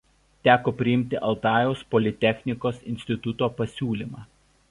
Teko priimti Altajaus politechnikos instituto pasiūlymą.